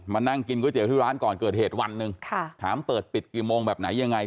นั่งกินก๋วยเตี๋ยที่ร้านก่อนเกิดเหตุวันหนึ่งค่ะถามเปิดปิดกี่โมงแบบไหนยังไง